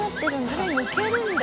あれ抜けるんだ。